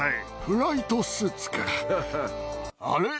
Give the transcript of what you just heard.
フライトスーツか。